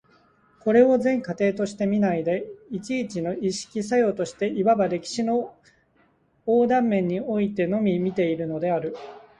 これを全過程として見ないで、一々の意識作用として、いわば歴史の横断面においてのみ見ているのである。